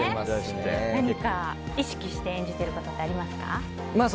何か意識して演じていることってありますか？